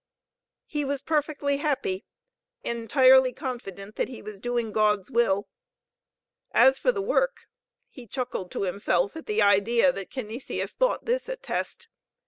He was perfectly happy, entirely confident that he was doing God's will. As for the work, he chuckled to himself at the idea that Canisius thought this a test!